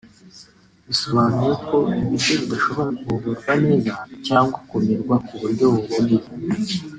bisobanuye ko ibiryo bidashobora kugogorwa neza cyangwa kumirwa ku buryo buboneye